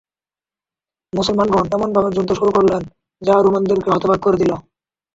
মুসলমানগণ এমনভাবে যুদ্ধ শুরু করলেন, যা রোমানদেরকে হতবাক করে দিল।